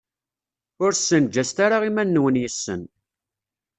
Ur ssenǧaset ara iman-nwen yes-sen.